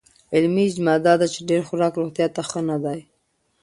علمي اجماع دا ده چې ډېر خوراک روغتیا ته ښه نه دی.